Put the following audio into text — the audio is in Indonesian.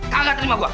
kaga terima gue